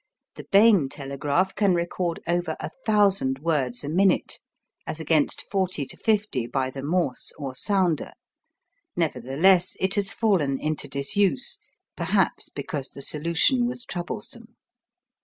The Bain telegraph can record over 1000 words a minute as against 40 to 50 by the Morse or sounder, nevertheless it has fallen into disuse, perhaps because the solution was troublesome.